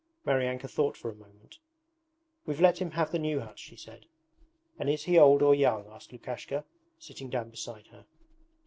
Maryanka thought for a moment. 'We've let him have the new hut,' she said. 'And is he old or young,' asked Lukashka, sitting down beside her.